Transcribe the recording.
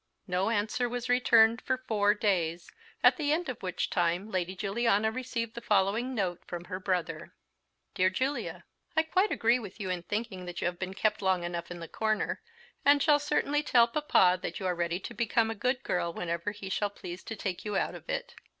No answer was returned for four days, at the end of which time Lady Juliana received the following note from her brother: "DEAR JULIA I quite agree with you in thinking that you have been kept long enough in the corner, and shall certainly tell Papa that you are ready to become a good girl whenever he shall please to take you out of it.